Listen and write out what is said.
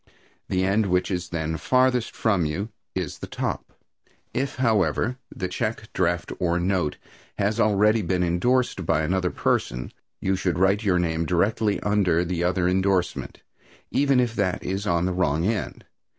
The end which is then farthest from you is the top. If, however, the check, draft or note has already been indorsed by another person, you should write your name directly under the other indorsement, even if that is on the wrong end.